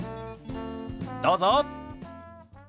どうぞ。